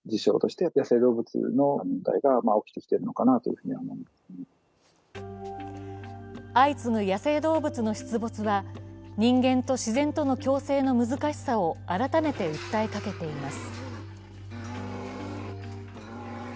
その状況を専門家は相次ぐ野生動物の出没は、人間と自然との共生の難しさを改めて訴えかけています。